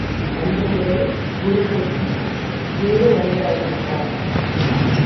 அன்று முதல் குருமூர்த்தி வேறு மனிதராகிவிட்டார்.